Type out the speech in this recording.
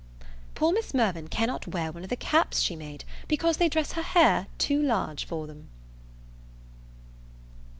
Poor Miss Mirvan cannot wear one of the caps she made, because they dress her hair too large for them.